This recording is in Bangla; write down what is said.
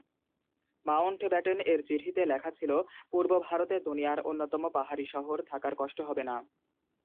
মাউন্টব্যাটেন এর চিঠিতে লেখা ছিল, পূর্ব ভারতে দুনিয়ার অন্যতম পাহাড়ি শহর, থাকার কষ্ট হবে না।